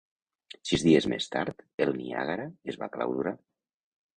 Sis dies més tard, el "Niagara" es va clausurar.